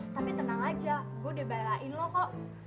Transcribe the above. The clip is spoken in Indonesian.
tapi tenang aja gue udah barain lo kok